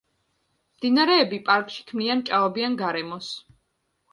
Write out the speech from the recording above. მდინარეები პარკში ქმნიან ჭაობიან გარემოს.